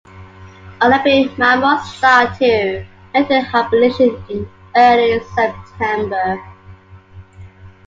Olympic marmots start to enter hibernation in early September.